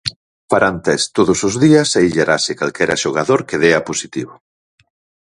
Farán test todos os días e illarase calquera xogador que dea positivo.